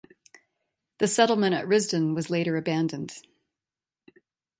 The settlement at Risdon was later abandoned.